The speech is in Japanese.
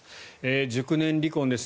熟年離婚です。